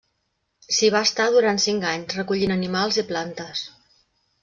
S'hi va estar durant cinc anys recollint animals i plantes.